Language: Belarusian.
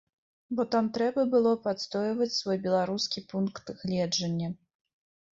Бо там трэба было б адстойваць свой беларускі пункт гледжання.